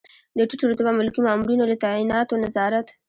د ټیټ رتبه ملکي مامورینو له تعیناتو نظارت.